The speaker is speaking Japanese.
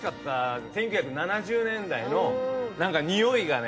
１９７０年代のにおいがね